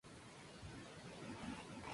Se retiraron a Sajonia para rehacerse.